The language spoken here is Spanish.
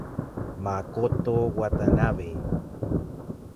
Makoto Watanabe